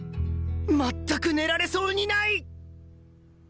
全く寝られそうにない！